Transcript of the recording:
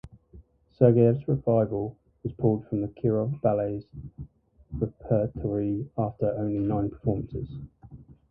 Sergeyev's revival was pulled from the Kirov Ballet's repertory after only nine performances.